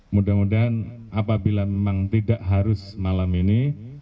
mudah mudahan apabila memang tidak harus malam ini